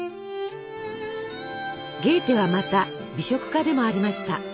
ゲーテはまた美食家でもありました。